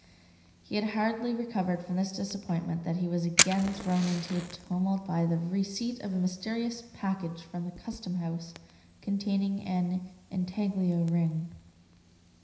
He had hardly recovered from this disappointment than he was again thrown into a tumult by the receipt of a mysterious package from the custom house containing an intaglio ring.